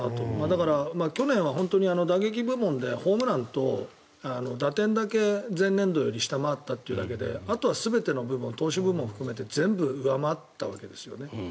だから、去年は本当に打撃部門でホームランと打点だけ前年度より下回ったというだけであとは全ての部門投手部門含めて全部上回ったわけですよね。